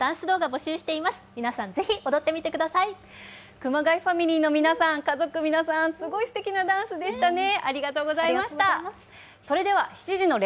熊谷ファミリーの皆さん、家族の皆さん、すごいすてきなダンスでしたねありがとうございました。